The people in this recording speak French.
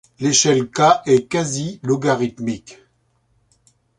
L'échelle K est quasi-logarithmique.